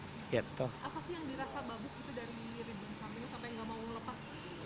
apa sih yang dirasa bagus itu dari ribung kami sampai gak mau melepas